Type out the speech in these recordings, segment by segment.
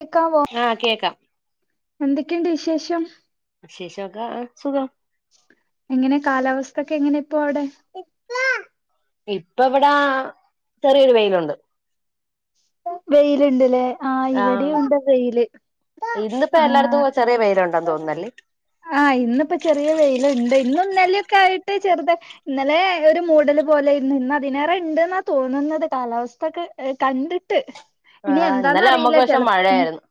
കേക്കാവോ ആഹ് കേക്കാം എന്തി എന്ത്‌ക്ക്ണ്ട് വിശേഷം? വിശേഷക്കെ ആ സുഖം. എങ്ങനാ കാലാവസ്ഥക്കെ എങ്ങനാ ഇപ്പോ അവടെ? ഇപ്പ ഇവിടാ ചെറിയൊരു വെയിലൊണ്ട്. വെയിലുണ്ട്ലേ? ആ ആഹ് ഇവിടെയുണ്ട് വെയില് ആ ഇന്നിപ്പോ എല്ലായിടത്തും ചെറിയ വെയിലുണ്ടെന്ന് തോന്നുന്നല്ലേ ആ ഇന്നിപ്പ ചെറിയ വെയിലുണ്ട് ഇന്നൊന്നലക്കെ ആയിട്ട് ചെറുത ഇന്നലെ ഒരു മൂടല് പോലെ ഇന്ന് ഇന്ന് അതിനേറെ ഉണ്ടെന്ന തോന്നുന്നത് കാലാവസ്ഥൊക്കെ കണ്ടി ട്ട്. അടാ ഇന്നലെ നമ്മക്കഷെ മഴയാരുന്നു.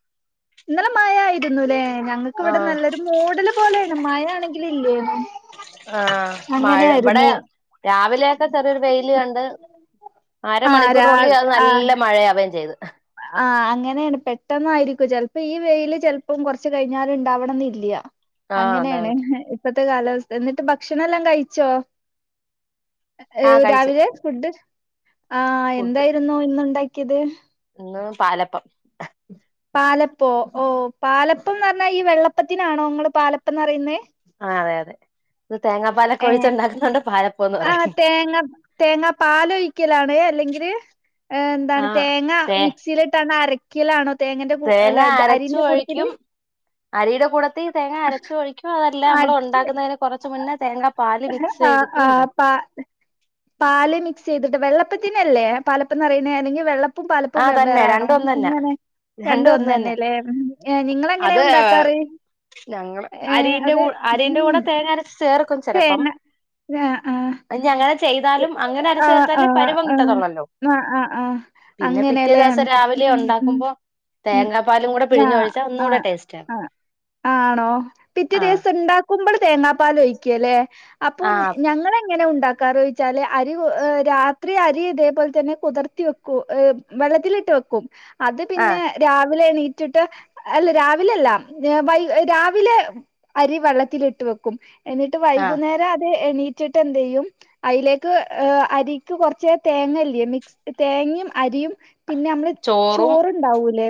ഇന്നലെ മഴരുന്നുലേ? ഞങ്ങക്ക് ഇവിടെ ആഹ് നല്ലൊരു മൂഡല് പോലെ മയയാണെങ്കിലില്ലേ ആ മഴ ഇവിടെ രാവിലെയൊക്കെ ചെറിയൊരു വെയില് കണ്ട് ആഹ് രാ അരമണിക്കൂറിനുള്ളിൽ അത് നല്ല മഴയാവുകേം ചെയ്ത്. ആ അങ്ങനെണ് പെട്ടെന്നായിരിക്കും ചെലപ്പ ഈ വെയില് ചെലപ്പം കൊറച്ചു കഴിഞ്ഞാല് ഉണ്ടാവണന്നില്ല. ആഹ് അങ്ങനെയാണ്. അതാണ് ഇപ്പത്തെ കാലാവസ്ഥ എന്നിട്ട് ഭക്ഷണല്ലാം കഴിച്ചോ? എ ആഹ് കഴിച്ച് രാവിലേ ഫുഡ്‌? ആ ഫുഡ് എന്തായിരുന്നു ഇന്നുണ്ടാക്കി ഇത് ഇന്ന് പാലപ്പം. പാലപ്പോ ഓ പാലപ്പന്നറഞ്ഞാ ഈ വെള്ളപ്പത്തിനാണോ ങ്ങള് പാലപ്പന്ന് പറയുന്നേ? ആ അതെ അതെ ഇത് തേങ്ങാപ്പാലൊക്കൊഴിച്ചുണ്ടാക്കുന്നോണ്ട് പാല ആ തേങ്ങ തേങ്ങാപാലൊഴിക്കലാണ്? അല്ലെങ്കില്? ഏ ന്താണ് ആഹ് തേങ്ങ തേ മിക്സിയിലിട്ടാണ് അര ക്കിലാണോ? തേങ്ങ അരച്ചു ഒഴിക്കും അരിയുടെ കൂടത്തി തേങ്ങ അരച്ചു ഒഴിക്കും അതല്ല ആഹ് മ്മള് ഉണ്ടാക്കുന്നതിന് കൊറച്ച മുന്നേ തേങ്ങാ പാൽ മിക്സ് ചെയ്തിട്ട് ആ പ പാല് മിക് ചെയ്തിട്ട് വെള്ളപ്പത്തിനല്ലേ പലപ്പന്ന്റയണെ അല്ലെങ്കിൽ വെള്ള പ്പും പാലപ്പും ആ തന്നെ വെവ്വേറാണോ രണ്ടും ഒന്ന് തന്നെ ങ്ങനെ രണ്ടും ഒന്ന് തന്നെ രണ്ടുന്നന്നെല്ലേ നിങ്ങള് എങ്ങനാ അത് ഉണ്ടാക്കാറ് ഞങ്ങള് ഏ അരിന്റെ അത് കൂ അരിന്റെ ഉം കൂടെ തേങ്ങ തേങ്ങ ആഹ് ആഹ് അനി അങ്ങനെ ചെയ്താലും അങ്ങനെ അരച്ച് ചേർത്തല് ആഹ് പരുവം ആഹ് ആഹ് കിട്ടത്തുള്ളല്ലോ ആഹ് ആഹ് ആഹ് പിന്നെ പിറ്റേ അങ്ങനെല്ലേ ദിവസം രാവിലെ ഉണ്ടാക്കുമ്പോ ഉ ഉ തേങ്ങാപ്പാലും കൂടെ ആ പിഴിഞ്ഞൊഴിച്ചാ ആ ഒന്നുകൂടെ ടേസ്റ്റാണ് ആ ആണോ പിറ്റേ ആ ദിവസം ഉണ്ടാക്കുമ്പോൾ തേങ്ങാപ്പാൽ ഒഴിക്കുവല്ലേ അപ്പൊ ആ എങ്ങനെ ഉണ്ടാക്കാർ ച്ചാല് അരി രാത്രി അരി ഇതേപോലെ തന്നെ കുതിർത്തി വെക്കും വെള്ളത്തിലിട്ട് വെക്കും അത് ആ പിന്നെ രാവിലെണ ട്ടിട്ട് അല്ല രാവിലല്ല രാവിലെ അരി വെള്ളത്തില ഇട്ട വെക്കും എന്നിട്ട് ആ വൈകുന്നേരം അതേ എണീറ്റിട്ട് എന്ത് ചെയ്യും അതിലേക്ക് അരിക്ക് കുറച്ച തേങ്ങല്ലേ മിക്സ് തേങ്ങയും അരിയും പിന്നെ നമ്മള് ചോറും ചോറണ്ടാവൂല്ലേ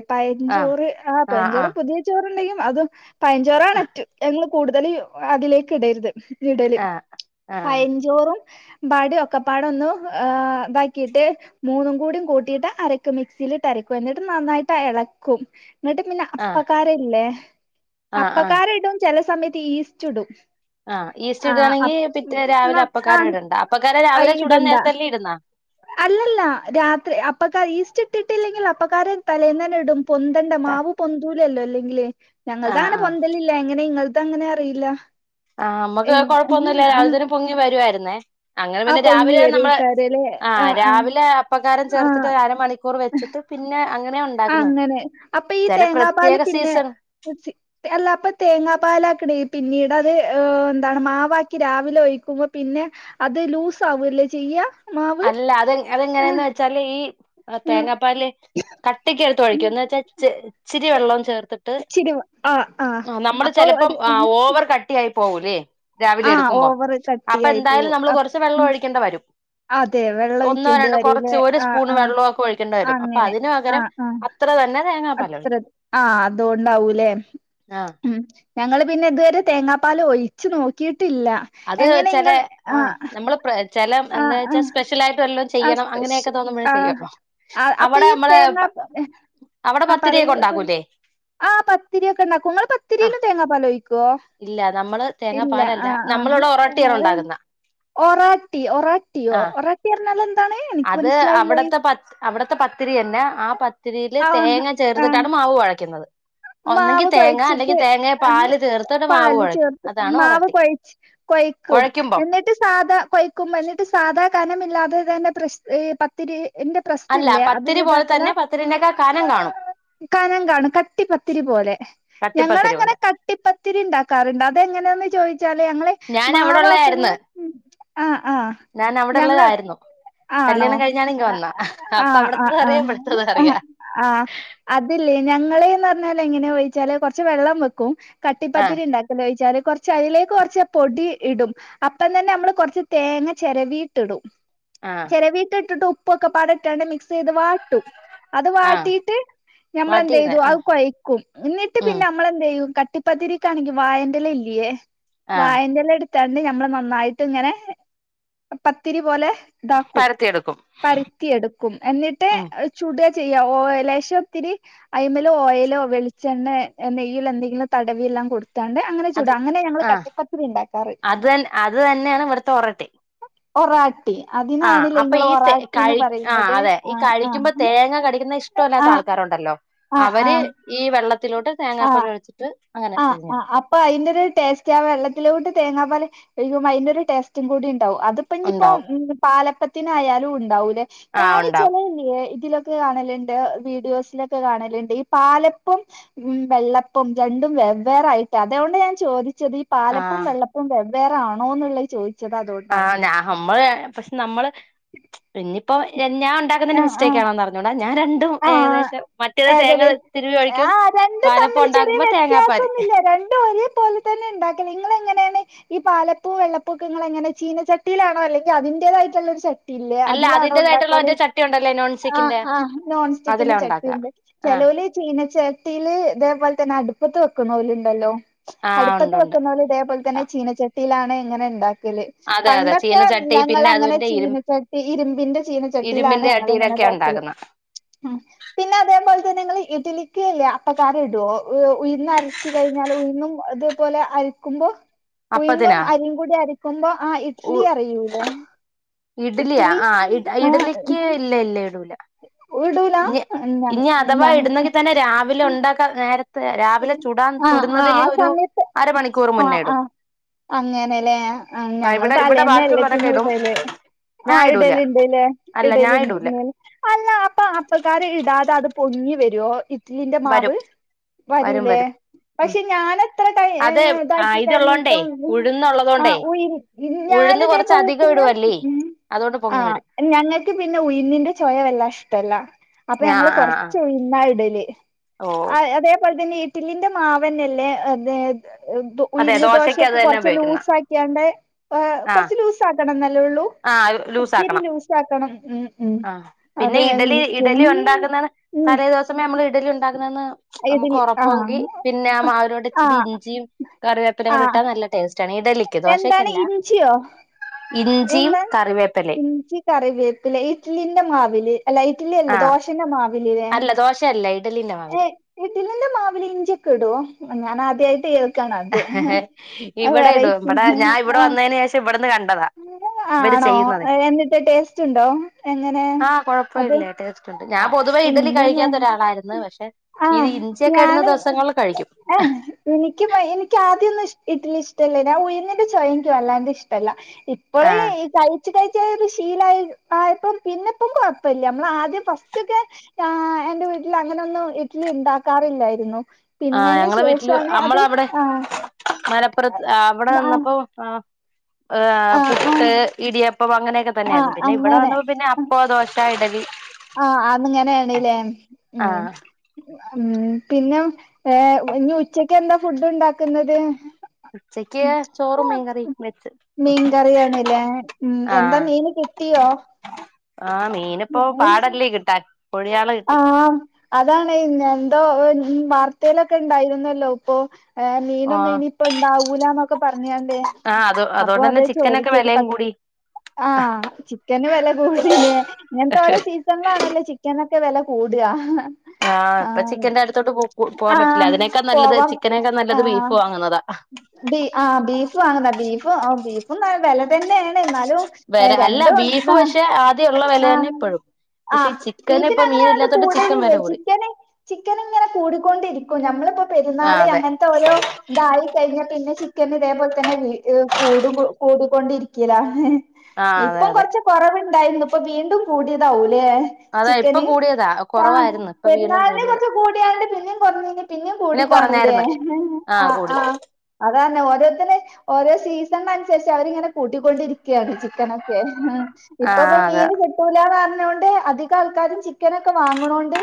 ആ പയചോറ് ആ പയഞ്ചോറ് പുതിയ ചോറണ്ടെങ്കും അത് പയഞ്ചോററ്ററ കൂടുതൽ അതിലേക്ക് ഇടരുത് ഇടല് ആ ആ പയഞ്ചോറ ബാട ഒക്കപ്പാടൊന്നും ഇതാക്കിട്ട് മൂന്നും കൂടും കൂട്ടിയിട്ട് അരക്കും മിക്സിയിലിട്ട് അരക്കും എന്നിട്ട് നന്നായിട്ട് ഇളക്കും എന്നിട്ട് പിന്നെ ആ അപ്പക്കാരല്ലേ ആ ആ അപ്പക്കാര ഇട്ട് ഒ ചല സമയത്ത് ഈസ്റ്റ് ഇടും ആഹ ഈസ്റ്റ് ആഹ് ഇടുകാണെങ്കിൽ അപ് മറ്റേ ന്ന ആഹ് രാവിലെപ്പക്കാരോവിടുണ്ടണ്ട് അപ്പക്കാരെ അയ് രാവിലെ ചൂടൻ ഇടണ്ട നേരത്തെല്ലേ ഇടുന്നാ അല്ലല്ല രാത്രി അപ്പക്കാർ ഈസ്റ്റ് ഇട്ടിട്ടില്ലെങ്കിൽ അപ്പക്കാര തലേൽന്നന്നെ ഇടും പൊന്തന്റെ മാവ് പൊന്തൂ ഇല്ലല്ലോ അല്ലെങ്കേ ആഹ് ഞങ്ങളുടൊങ്ങനെ ആഹ് പൊന്തല്ലില്ല എങ്ങനെ ഇങ്ങ അതങ്ങനെ അറിയില്ല ആഹ് നമുക്ക് ആഹ് കൊഴപ്പൊന്നുമില്ല ആ രാവിലേത്തേന് പൊങ്ങി വരുവായിരുന്നേ അങ്ങനെ ആ പിന്നെ പൊങ്ങി രാവിലെ നമ്മള് വരേക്കാരല്ലേ ആ് ആഹ് ആഹ് രാവിലെ അപ്പക്കാരം ആഹ് ചേർത്തിട്ട് അരമണിക്കൂർ വെച്ചിട്ട് പിന്നെ അങ്ങനെ ഉണ്ടാക്കുന്നത് അങ്ങനെ അപ്പൊ ഈ ചെല തേങ്ങാ പാൽ പ്രത്യേക പിന്നെ സീസൺ അല്ല അപ്പൊ തേങ്ങാ പാല ആക്കണേ പിന്നീട് എന്താണ് മാവാക്കി രാവിലെ ഒഴിക്കുമ്പോ പിന്നെ അത് ലൂസ് ആവൂല്ലേ ചെയ്യാ അല്ല അത് അതെങ്ങനെയന്ന് വെച്ചാല് ഈ ആ ഉം തേങ്ങാപ്പാലില് കട്ടിക്ക് എടുത്ത് ഒഴിക്കും ഉം എന്ന വെച്ചാ ഇച്ചിരി വെള്ളവും ചേർത്തിട്ട് ഇച്ചിരി ആഹ് ആഹ് നമ്മള് അപ്പൊ ചെലപ്പം ഒരു ഓവർ കട്ടി പോകൂലേ രാവിലെ ആഹ് എടുക്കുമ്പോം ഓവറ് അപ്പൊ കട്ടിയായി പോവും എന്തായാലും നമ്മള് അപ് കുറച്ച് വെള്ളം ഉം ഒഴിക്കേണ്ട വരും അതെ വെള്ളം ഒന്നോ ഒഴിക്കേണ്ടി രണ്ട് വരൂല്ലേ കുറച്ച് ഒരു ആഹ് സ്പൂൺ ആഹ് വെള്ളമൊക്കെ ഒഴിക്കണ്ടെ വെരും അപ്പൊ അങ്ങനെ അതിന് പകരം ആഹ് ആഹ് അത്ര തന്നെ തേങ്ങാപ്പാൽ അത്ര ഒഴിക്കും ആ അതൊണ്ടാവൂലേ ആ ഉ ഞങ്ങള്ൾ പിന്നെ ഇതുവരെ തേങ്ങാപ്പാൽ ഒഴിച്ച് നോക്കി അത് ചില ആ് നമ്മള് ചെില ആഹ് എന്താ വച്ചാൽ ആഹ് സ്പെഷ്യൽ ആായിട്ട് വല്ലം ആഹ് ചെയ്യണം അങ്ങനെയൊക്കെ സ്പെഷ്യ തോന്നുമ്പോഴ ആഹ് ചെയ്യള്ളോ അവിടെ നമ്മള് അവിടെ ആ പത്തിരിയൊക്കെ പറയൂ ഉണ്ടാക്കൂലേ ആ പത്തിരിക്കെ ണ്ടാക്കും ങ്ങള് ആ പത്തിരിലും തേങ്ങാപ്പാല് [unintelligible] ഇല്ല നമ്മള് ഇല്ല തേങ്ങാപ്പാലല്ല ആ ആ നമ്മളിവിടെ ഒറോട്ടിയാണ് ഉണ്ടാക്കുന്ന ഒറാട്ടി ഒറാട്ടിയോ ആ ഒറാട്ടിന്ന് പറഞ്ഞ എന്താ അത് അവിടത്തെ പത് അവിടുത്തെ പ- ത്തിരിയന്നെ ആ പത്തിരിൽ ആഹ് തേങ്ങ ആഹ് ചേർത്തിട്ടാണ് മാവ് കൊഴയ്ക്കുന്നത് മാവ് കൊഴച്ചിട്ട് പാല് ചേർത്തിട്ട് മാവ് പാല് കുഴയ്ക്കും ചേർത്ത് അതാണ് മാവ് ഒറട്ടി കൊഴ കൊയ്ക്കും കുഴയ്ക്കുമ്പം എന്നിട്ട് സാധാ കൊയ്ക്കുമ്പോ എന്നിട്ട് സാധാ കനമില്ലാതെ തന്നെ പത്തിരി എന്റെ അല്ല പ്രസ്സിലെ പത്തിരി അതില പോലെ ഇതാക്കല തന്നെ പത്തിരിന്റെയൊക്കെ കനം കാണും കന കാാണ് ത്തിരി പോലെ കട്ടിപ്പത്തിരി ഞങ്ങളങ്ങനെ പോലെ കട്ടിപ്പത്തിരിണ്ടാക്കാറുണ്ട് അതെങ്ങനന്ന് ചോയിച്ചാ ഞാൻ അവിടെ മാവ് ഉള്ളതായിരുന്നു [unintelligible] ഞാൻ അവിടെ ഞ ഉള്ളതായിരുന്നു ആണോആ കല്യാണം കഴിഞ്ഞാണ് ഇങ്ങ വന്ന ആ അപ്പൊ അവിടത്തത് അറിയാം ഇവിടത്തത് ആ അറിയാം [unintelligible] എങ്ങനെ കഴിച്ച കൊറ വെള്ളം വെക്കും ആ കട്ടിപ്പത്തിരി ണ്ടാക്കല്ലോയിച്ചാല് കൊറച്ച് അതിലേക്ക് കൊറച്ച് പൊടി ഇടും അപ്പം തന്നെ നമ്മള് കൊറച്ച് തേങ്ങ ചെരവീട്ട്ടും ആ ചെരവീട്ട് ട്ടിട്ട്ഉ പ്പൊക്കെട്ട്പാടെ മിക്സ് ചെയ്ത് വാട്ടും അത് ആ വാട്ടിയിട്ട് വാട്ടിയിരുന്നേ ഞമ്മളെന്തെയ്തു ആ അത് കൊയക്കും ന്നിട്ട് ഉം പിന്നെ നമ്മളെന്തെയ്യും ക ട്ടിപ്പത്തിരിക്കാണെങ്കില് വായന്റെല ഇല്ല്യേ ആ വായന്റെല ഇട് ഞമ്മള് നന്നായിട്ട് ഇങ്ങനെ പത്തിരി പോലെ ഇതാക്കും പരത്തിയെടുക്കും പരത്തിയെടുക്കും എന്നിട്ട് ഉം ചൂട് ചെയ്യ ഓ ലേശോത്തിരി അയ്മ്മ ഓയിലോ വെളിച്ചെണ്ണ നെയ്യയിൽ എന്തെങ്കിലും തടവിയെല്ലാം കൊടു അത് ആഹ് ഉണ്ടാക്കാറ് അത് തന്നെ അത് തന്നെയാണ് ഇവിടത്തെ റൊട്ടി [unintelligible] ആഹ് അതിനാണല്ലേ അപ്പൊ നിങ്ങള് ഈ കഴ ഒറാട്ടിന്ന് ആ പറയുന്നത് അതെ ഈ ആഹ് ആഹ് കഴിക്കുമ്പോ തേങ്ങ കടിക്കുന്ന ഇഷ്ടമല്ലാത്ത ആഹ് ആൾക്കാരുണ്ടല്ലോ അവര് ആഹ് ഈ വേ വെള്ളത്തി ത്തിലോട്ട് ആഹ് തേങ്ങാപ്പാൽ ഒഴിച്ചിട്ട് അങ്ങനെ ആഹ് പിഴിഞ്ഞെടുക്കും ആഹ് അപ്പൊ അതിന്റെ ഒരു ടേസ്റ്റ് ആഹ് വെള്ളത്തിൽ ത് ന്റെക്കൂട്ട് തേങ്ങാപ്പാൽ യ്യോ ഭയങ്കര ഒരു ടസ്റ്റും കൂടി അതിപ്പോ ഇനിയിപ്പോ ഉണ്ടാവും ഉ പാലപ്പ ത്തിനായാലും ഉണ്ടാവും ആ ഞാന ഉണ്ടാവും ചെലത്തില്ലേ ഇലൊക്കെ കാണലുണ്ട് വീഡിയോസിലൊക്കെ കാണലണ്ട് ഈ പാലപ്പും വെള്ളപ്പും രണ്ടും വെവ്വേറെ ഐറ്റം അതൊണ്ട് ഞാൻ ചോദിച്ച [unintelligible] ആ പാലപ്പും വെള്ളപ്പും [unintelligible] വേറെ ആണോ എന്നുള്ളത് ചോദിച്ചു ആഹ് ഞ നമ്മള് പക്ഷെ നമ്മള് പിന്ന ഇപ്പോ ഞാണ്ടാക്കുന്നേന്റെ ആഹ് മിസ്റ്റേക്കാണോന്നറിഞ്ഞൂട ആഹ് ഏകത് തിരുവി ഒഴിക്കും ആഹ് രണ്ടും പാലപ്പം തമ്മിൽ ചെറിയ ഉണ്ടാക്കുമ്പോ തേങ്ങാപ്പാല് വ്യത്യാസംന്നുമില്ല രണ്ടും ഒരേ പോലെ തന്നെ ഉണ്ടാക്കില്ല നിങ്ങ എങ്ങനെയാണ് ഈ പാലപ്പോ വെള്ളപ്പൊക്കയൊക്കെ എങ്ങനെ ചീനച്ചട്ടിയിലാണോ അല്ലെങ്കിൽ അതിന്റേതായിട്ടുള്ള ഒരു ചട്ടി- അല്ല അതിന്റതായിട്ടുള്ള ഒറ്റ ചട്ടിയ ഉണ്ടല്ലേ നോൺ സ്റ്റിക്കിന്റെ അതിലാ നോൺസ്റ്റിക്കിന്റെ ചട്ടി ഉണ്ടാക്കുക ഉണ്ട് ആഹ് ചെല്ലവര് ചീ - പിന്നെ ചട്ടിയില് ഇതേപോലെ തന്നെ അടുപ്പത്ത് വെക്കുന്ന പോലുണ്ടല്ലോ ആഹ് അടുപ്പത്ത് ഉണ്ട് ഉണ്ട് വക്കുന്നത് ഇതേ പോലെ തന്നെ ചീന ചെട്ട യിലാണ് എങ്ങനെ ഉണ്ടാക്കി ല് അതെ അതെ പണ്ടൊക്കെ ചീനച്ചട്ടി ഞങ്ങള് പിന്നെ അങ്ങനെ അതിന്റെ ഇരു ചീനച്ചട്ടി ഇരുമ്പിന്റെ ചീനച്ചട്ടിയിലാണ് ഇരുമ്പിന്റെ ഞങ്ങലിങ്ങനെ ചട്ടിയിലൊക്കെയാ ഇതാക്കല് ഉണ്ടാക്കുന്നെ പിന്നെ അതേപോലെ തന്നെ നിങ്ങള് ഇഡലിക്ക്ല്ലേ അപ്പക്കാര ഇടുവോ ഉയന്ന അരച്ചു കഴിഞ്ഞാൽ ഉയന്നും അതപോലെ അരക്കുമ്പോ- ഉഴുന്ന് അപ്പത്തിനാ അരിയും കൂടി അരക്കുമ്പോ ആ ഇഡ്ലി അറിയൂല്ലേ ഇഡലിയാ ആ ഇഡലിക്ക് ഇല്ല ഇല്ലേ ഇടൂല ഇനി ഞ ഇനി അഥവാ ഞങ്ങ ഇടുന്നെങ്കി തന്നെ രാവിലെ ഉണ്ടാക്കാനേര ആ ആ ആ സമയത്ത് അരമണിക്കൂർ ആ മുന്നേ ആ ഇടും അങ്ങനെല്ലേ ആ ഞങ്ങൾ ഇവിടെ ഇവിടെ ബാക്കിയുള്ളവരൊക്കെ തലേന്നല്ലത്തിനും ഇടും ഇടല് ഞാൻ ആഹ് ഇടൂല ഇടല്ണ്ടല്ലേ അല്ല ഞാൻ ഇടല് ഇടൂല ഇ അല്ല അപ്പൊ അപ്പക്കാരം ഇടാതെ അത് പൊ നീ വരുവോ ഇ തീന്റെ വരും മാവ് വരും വരൂലേ വരും ഉം പക്ഷെ ഞാനെത്ര ടൈ അത് ആ ഇതാക്കി ഇതുള്ളോണ്ടേ കഴിഞ്ഞിട്ടും ഉം ആ ഉഴുന്നുള്ളതോണ്ടേ ഉഴിഞ്ഞ് ഉഴുന്ന് കൊറച്ച് ഞാനിതേപോലെ അധികം തന്നെ ഇടുവല്ലേ അതുകൊണ്ട് ആ പൊങ്ങി വരും ഞങ്ങൾക്ക് പിന്നെ ഉയുന്നിന്റെ ചോയ വല്ല ഇഷ്ടമല്ല അപ്പൊ ആ ഞങ്ങൾ ആ ആ കൊറച്ച് ഉഴുന്ന ഇടല് ഓ വീട്ടിലിന്റെ മാവന്നല്ലേ അതെയത് അതെ ഉയ്ന്ന് ദോശക്ക് അത് ദോശയൊക്കെ തന്നെ കൊറച്ച് ഉപയോഗിക്കുന്ന ലൂസ് ആക്കിയാണ്ട് ആ കൊറച്ച് ലൂസ് ആക്കണം എന്നല്ലേള്ളൂ ആ ലൂസാക്കണം ഒത്തിരി ലൂസ് ആക്കണം മ് ആഹ് പിന്നെ ഇഡലി ഇഡലി ഉണ്ടാക്കുന്ന തലേദിവസമേ നമ്മള് ഇഡലി ഉണ്ടാക്കുന്നതെന്ന് നമുക്ക് ഇഡ്ലി ആ ഉറപ്പാവുങ്കിൽ പിന്നെ ആ മാവിനോട് ആ ഇച്ചിരി ഇഞ്ചിയും കറിവേപ്പിലയും ആ കൂടെ ഇട്ടാ നല്ല ടേസ്റ്റ് ആണ് ഇഡലിക്ക് എന്താണ് ദോശക്കല്ല ഇഞ്ചിയോ ഇഞ്ചിയും എന്താ കറിവേപ്പിലയും ഇഞ്ചി കറിവേപ്പില ഇഡ്ഡ്ലി ന്റെ മാവില് അല്ല ഇഡ്ഡലി അല്ല ആഹ് ദോശേന്റെ മാവ് അല്ല ദോശയല്ല ഇഡലിന്റെ മാവില് ഇഡ്ഡലീന്റെ മാവില് ഇഞ്ചിയൊക്കെ ഇടോ ഞാൻ ആദ്യ [unintelligible] ഇവിടെ ഇടും ഇവിടെ ഞാൻ ഇവിടെ വന്നതിന് ശേഷം ഇവിടെന്ന് ക ആണോ എന്നിട്ട് ടേസ്റ്റ് ഉണ്ടോ എങ്ങനെ ആഹ് അത് കുഴപ്പമില്ല ടേസ്റ്റ് ഉണ്ട് ഞാൻ പൊതുവേ ഇഡലി കഴിക്കാത്ത ഒരാളായിരുന്നു പക്ഷെ ആ ഇത് ഇഞ്ചിയൊക്കെ ഇടുന്ന ഞാന് ദിവസങ്ങളിൽ കഴിക്കും ഏഹ് എനിക്ക് എനിക്ക് ആദ്യമൊന്നും ഇശ് ഇഡ്ഡ്ലി ഇഷ്ടല്ല ഞാൻ ഉയിന്നിന്റെ ചൊവ എനിക്ക് വല്ലാണ്ട് ഇഷ്ടല്ല ഇപ്പള് ആഹ് ഈ കഴിച്ചു കഴി [unintelligible] ശീലായി ആയപ്പം പിന്നെ ഇപ്പം കുഴപ്പമില്ല നമ്മള് ആദ്യം ഫസ്റ്റ്ക്കെ ആ എന്റെ വീട്ടിൽ അങ്ങനൊന്നും ഇഡ്ഡലി ഇണ്ടാക്കാറില്ലായിരുന്നു ആ പിന്നെന്റെ ഞങ്ങള വീട്ടില് ശേഷാണ് അത് നമ്മള് അവിടെ ആഹ് അങ്ങനെ പ്രെത് അ അവിടെ ആഹ് നിന്നപ്പോ ഹ് ആഹ് പുട്ട്, ആഹ് ഇടിയപ്പം അങ്ങനെയൊക്കെ ആഹ് തന്നെയായിരുന്നു പിന്നെ ഇവിടെ അങ്ങനെ വന്നപ്പൊ പിന്നെ അപ്പം, ദോശ, ഇഡ്ഡലി ആഹ് അന്നങ്ങനെയ ആണല്ലേ മ് ആഹ് ഉം പിന്നെ ഏ ഇനി ഉച്ചക്ക് എന്താ ഫുഡ് ഉണ്ടാക്കുന്നത് ഉച്ചക്ക് ചോറും മീൻകറിയും വെച്ച് മീൻകറിയാണല്ലേ ഉം എന്താ ആഹ് മീന് കിട്ടിയോ ആഹ് മീനിപ്പോ പാടല്ലേ കിട്ടാൻ കൊഴിയാള കിട്ടി ആഹ് അതാണ് എന്തോ ഉം വാർത്തയിലൊക്കെ ഉണ്ടായിരുന്നല്ലോ ഇപ്പൊ ഏ മീനൊന്നും ആഹ് ഇനിയിപ്പ ഇണ്ടാവൂലന്നൊക്കെ പറഞ്ഞണ്ടേ ആഹ് അത് അപ്പൊ അതുകൊണ്ട് തന്നെ അതേ ചിക്കനൊക്കെ ചോദിച്ചത് പ വിലയും കൂടി ആഹ് ചിക്കന് വില കൂടീലെ ഓരോ സീസണിലാണല്ലോ ചിക്കൻ ചിക്ക്നക്കെ വെലകൂടാ ആഹ് ഇപ്പ ചിക്കന്റെ അടുത്തോട്ട് പോ പോവാൻ പറ്റില്ല ആഹ് അതിനേക്കാ നല്ലത് പോവാം ചിക്കനെക്കാ നല്ലത് ബീഫ് ആഹ് വാങ്ങ്അതാ പ്പോ ഓ ബീഫോക്കെ വെല തന്നെണ് ന്നാലും വില അല്ല രണ്ട ബീഫ് പക്ഷെ ആദ്യമുള്ള വില ആഹ തന്നെ ഇപ്പോഴും ആ പക്ഷെ ഈ ചിക്കന് ബീഫ്‌ ഇപ്പൊ മീൻ അങ്ങനെയത് ഇല്ലാത്തോണ്ട് ചിക്കൻ കൂടലില്ലേ വില കൂടി ചിക്കന് ചിക്കൻ ഇങ്ങനെ കൂടിക്കൊണ്ടിരിക്കും നമ്മളിപ്പോൊ ആഹ് പെരുന്നാള്ി അതെ അങ്ങനത്തെ ഓരോ ഇതായി കഴിഞ്ഞ പിന്നെ ചിക്കൻ ഇതേപോ ത് കൂടും കു കൊണ്ടിരിക്കലാ ആഹ് അതെ ഇപ്പം അതെ കൊറച്ച് കൊറവ്ണ്ടായിര്ന്നു ഇപ്പൊ വീണ്ടും കൂടിയതാ അതാ ഇപ്പൊ ചിക്കന് കൂടിയതാ ആഹ് കുറവായിരുന്നു ഇപ്പൊ വീണ്ടും പെരുന്നളിനെ കൂടിയതാ കൊച്ച കൂടിയ പിന്നും കുറഞ്ഞു പിന്നും കൂടി പിന്നെ കാണൂല്ലേ് കുറഞ്ഞായിരുന്നു ആ കൂടി അതന്നെ [unintelligible] ഓരോ സീസണിനനുസരിച്ച് അവരിങ്ങനെ കൂട്ടിക്കൊണ്ടിരിക്ക ക്കാണ് ചിക്കനൊക്കെ ആ ഇപ്പ ഇപ്പൊ അതാ മീന് കിട്ടൂലാന്ന് പറ അതോണ്ട് അധികാൾക്കാരും ചിക്കനൊക്ക വാങ്ങണോണ്ട്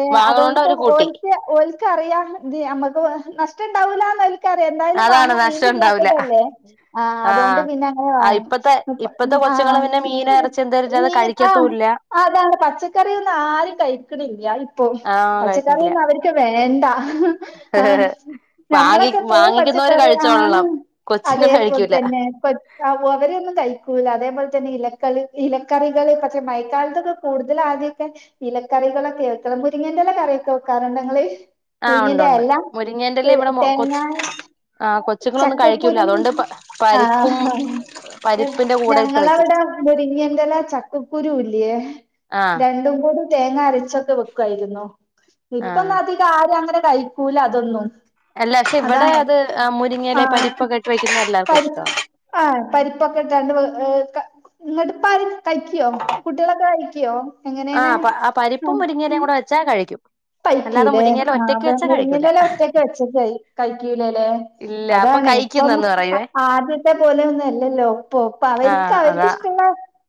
ഏ വാങ്ങണോണ്ട് അതോണ്ട്പ്പോ അവര് കൂട്ടി ഓൽക്ക് ഓ ക്കറിയാ ത് നമ്മക്ക് നഷ്ട്ടണ്ടാവൂലാന്ന് ക്കറിയ ന്തായാലും അതാണ് വാങ്ങും നഷ്ടം ഉണ്ടാവൂല മീനില്ലാത്തതല്ലേ ആഹ് ആ അതുകൊണ്ട് പിന്നെ അങ്ങനെ ആ ഇപ്പത്തെ ഇപ്പത്തെ വാങ്ങും കൊച്ചുങ്ങള് ആഹ് പിന്നെ മീന് ഇറച്ചി എന്തായാലും അത് മീ ആഹ് കഴിക്കത്തൂല്ല അതാണ് പച്ചക്കറൊന്നും ആരും കഴിക്ക്ണില്ല ഇപ്പൊ ആ കഴിക്കുന്നില്ല പച്ചക്കറിഒന്നും അവർക്ക് വേണ്ട ആഹ് വാങ്ങി ഞമ്മളൊക്കെ എത്രയോ പച് വാങ്ങിക്കുന്നവര് കഴിച്ചോളണം കൊച്ചുങ്ങള് അതേപോലെ കഴിക്കൂല തന്നെ കൊ അവരൊന്നും കഴിക്കൂല അത അത്പോലെ തന്നേ ഇലക്ക ഇലക്കറികള് പക്ഷേ മയക്കാലത്തൊക്കെ കൂടുതൽ ആദ്യോക്കെ ഇലക്കറികളൊക്കെ വെക്കാ. മുരിങ്ങന്റെല്ല കറികളൊക്കെ വെക്കാറ്ണ്ടോ ങ്ങള് ആ ഉണ്ട് മുരിങ്ങന്റെ ഉണ്ട് എല മുരിങ്ങേന്റെല ഇവിടെ കൊ തേങ്ങായും ആ കൊച്ചുങ്ങളൊന്നും കഴിക്കൂല ചക്കക്കുരുവും അതുകൊണ്ട് പരിപ്പും ആഹ് പരിപ്പിന്റെ കൂടെ ഇട്ട് വെക്കും ഞങ്ങളവടെ മുരിങ്ങ ചക്കക്കുരു ഇല്ല്യേ ആ രണ്ടും കൂ തേങ്ങ അരച്ചൊക്കെ വെക്വായിര്ന്നോ ആ ഇപ്പലെധികാരുങ്ങനെ കഴിക്കൂല അതൊന്നും അല്ല പക്ഷെ ഇവിടെ അതാണ് അത് ആ മുരിങ്ങയില പരിപ്പൊക്കെ ഇട്ട് വെക്കുന്നത് എല്ലാവർക്കും ഇഷ്ടാ പരിപ്പ് പരിപ്പൊക്കെട്ടാണ്ട് ഏ ഇങ്ങട്ട് ഇപ്പധികം കഴിക്ക്യോ കുട്ട്യാളൊക്കെ കഴിക്ക്യോ ആ ആ പരിപ്പും മുരിങ്ങലയും കൂടെ വെച്ചാ കഴിക്കും അല്ലാതെ കഴിക്കൂലേ മുരിങ്ങയില ആ ഒറ്റയ്ക്ക് വെച്ചാ കഴിക്കൂല മുരിങ്ങന്റെഇല്ല ഒറ്റക്ക് വച്ചക്ക കഴിക്കൂലേല്ലെ ഇല്ല അപ്പൊ അതാണ് ഇപ്പം കഴിക്കുന്നെന്ന് പറയുവേ ആദ്യത്തെ പോലെ ഒന്നും അല്ലല്ലോ ഇപ്പോ അവർക്ക് ആഹ് അവർക്ക് അതാ ഇഷ്ടുള്ള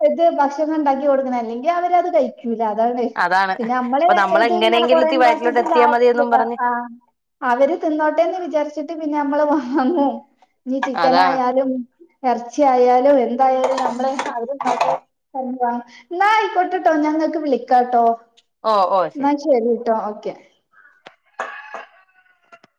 ഇത് ഭക്ഷണം ഇണ്ടാക്കി കൊടുക്കണല്ലേ അല്ലെങ്കിൽ അവരത് കഴിക്കും അതാണ് അതാണ് പിന്നെ നമ്മള് അപ്പൊ നമ്മൾ ഇത്ങ്ങനെ. എങ്ങനെയെങ്കിലും ഇത്തി വയറ്റിലോട്ട് ഇണ്ടാകിട്ടും എത്തിയാൽ മതിയെന്നും കാര്യല്ലല്ലോ പറഞ്ഞ് ആഹ് അവര്തിന്നോട്ടെ വിചാരിച്ചിട് പിന്നെ ഞമ്മള് അന്നേ ഇനി അതാണ് ചിക്കനായാലും എർ ർച്ചി ആയാലുംഎന്തായാലുംനമ്മളെ അത് ഇങ്ങോട്ട് [unintelligible] എന്നയിക്കോട്ടട്ടോ ഞ ഇങ്ങക്ക് വിളിക്കാംട്ടോ ഓ ഓ ശരി ഓക്കെ